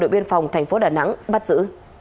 đội biên phòng thành phố đà nẵng bắt giữ